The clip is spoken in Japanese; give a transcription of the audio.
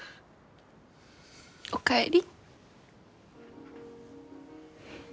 おかえり。